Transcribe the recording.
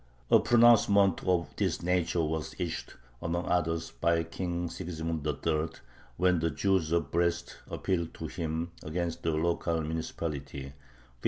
A pronouncement of this nature was issued, among others, by King Sigismund III., when the Jews of Brest appealed to him against the local municipality (1592).